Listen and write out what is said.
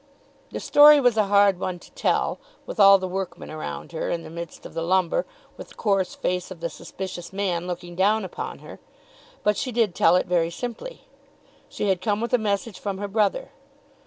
The story was a hard one to tell, with all the workmen around her, in the midst of the lumber, with the coarse face of the suspicious man looking down upon her; but she did tell it very simply. She had come with a message from her brother.